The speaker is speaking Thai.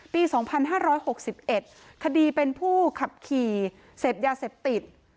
ปี๒๕๖๑คดีเป็นผู้ขับขี่เสพยาเสพติด